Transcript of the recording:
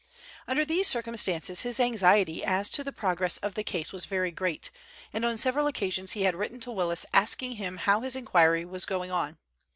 Under these circumstances his anxiety as to the progress of the case was very great, and on several occasions he had written to Willis asking him how his inquiry was going on.